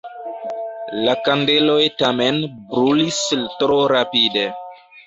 La kandeloj tamen brulis tro rapide.